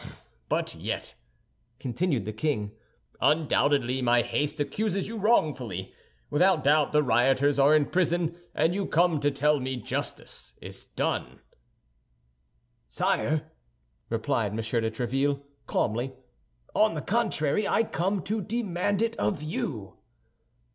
But yet," continued the king, "undoubtedly my haste accuses you wrongfully; without doubt the rioters are in prison, and you come to tell me justice is done." "Sire," replied M. de Tréville, calmly, "on the contrary, I come to demand it of you."